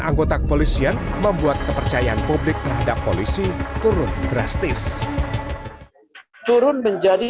anggota kepolisian membuat kepercayaan publik terhadap polisi turun drastis turun menjadi